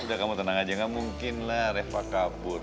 udah kamu tenang aja gak mungkin lah reva kabut